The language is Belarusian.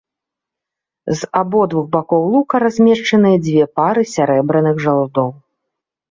З абодвух бакоў лука размешчаныя дзве пары сярэбраных жалудоў.